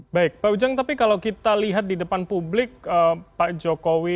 baik pak ujang tapi kalau kita lihat di depan publik pak jokowi